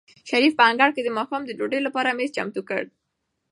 شریف په انګړ کې د ماښام د ډوډۍ لپاره مېز چمتو کړ.